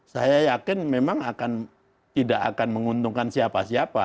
saya yakin memang tidak akan menguntungkan siapa siapa